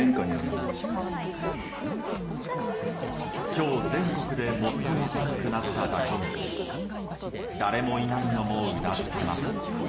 今日、全国で最も寒くなっただけに誰もいないのもうなずけます。